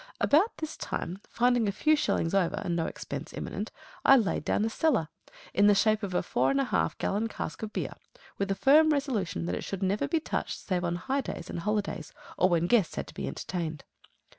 About this time, finding a few shillings over and no expense imminent, I laid down a cellar, in the shape of a four and a half gallon cask of beer, with a firm resolution that it should never be touched save on high days and holidays, or when guests had to be entertained.